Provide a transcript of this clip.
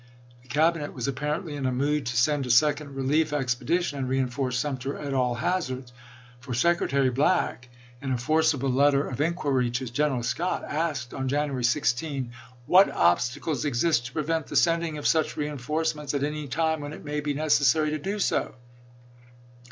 The Cabinet was apparently in a mood to send a second relief expe dition and reenforce Sumter at all hazards; for Secretary Black in a forcible letter of inquiry to General Scott asked on January 16 : What obstacles exist to prevent the sending of such reenforce raents at any time when it may be necessary to do so